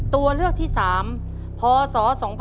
ตัวเลือกที่๓พศ๒๕๖